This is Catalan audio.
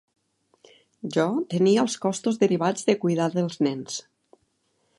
Jo tenia els costos derivats de cuidar dels nens.